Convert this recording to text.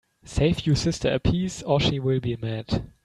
Save you sister a piece, or she will be mad.